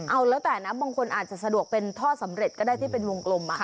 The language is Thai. เอาแล้วแต่นะบางคนอาจจะสะดวกเป็นท่อสำเร็จก็ได้ที่เป็นวงกลม